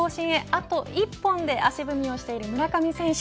あと１本で足踏みをしている村上選手